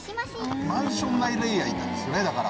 マンション内恋愛なんですよねだから。